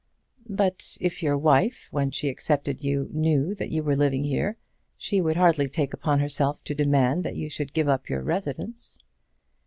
"But if your wife, when she accepted you, knew that you were living here, she would hardly take upon herself to demand that you should give up your residence."